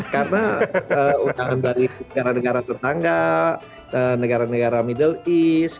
karena undangan dari negara negara tetangga negara negara middle east